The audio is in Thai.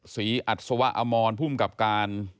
ศรีอัศวะอมรผู้มกับการ